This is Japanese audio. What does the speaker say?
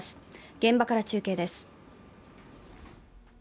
現場から中継です。